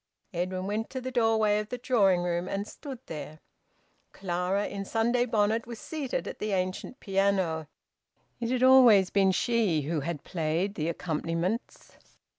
Edwin went to the doorway of the drawing room and stood there. Clara, in Sunday bonnet, was seated at the ancient piano; it had always been she who had played the accompaniments.